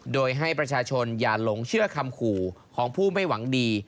โดยให้ประชาชนอย่าหลงเชื่อคำขู่ของผู้ไม่หวังดี